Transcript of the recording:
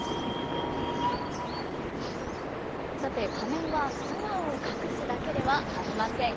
さて仮面は素顔を隠すだけではありません。